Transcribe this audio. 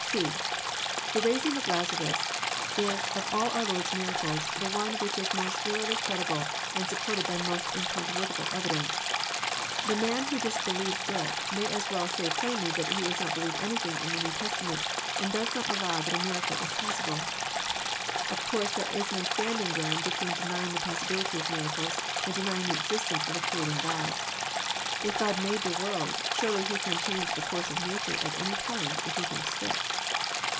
(c) The raising of Lazarus is of all our Lord's miracles the one which is most thoroughly credible, and supported by most incontrovertible evidence. The man who disbelieves it may as well say plainly that he does not believe anything in the New Testament, and does not allow that a miracle is possible. Of course there is no standing ground between denying the possi* bility of miracles, and denying the existence of a creating God. if God made the world, surely He can change the course of nature at any time, if He thinks fit.